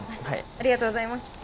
ありがとうございます。